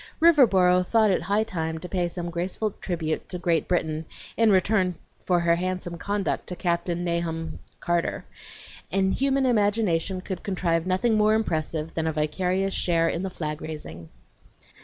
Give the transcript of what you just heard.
Riverboro thought it high time to pay some graceful tribute to Great Britain in return for her handsome conduct to Captain Nahum Carter, and human imagination could contrive nothing more impressive than a vicarious share in the flag raising.